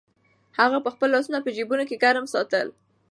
هغه خپل لاسونه په جېبونو کې ګرم ساتل.